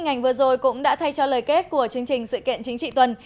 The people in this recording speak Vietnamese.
hình ảnh vừa rồi cũng đã thay cho lời kết của chương trình sự kiện chính trị tuần